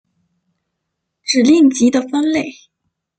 指令集的分类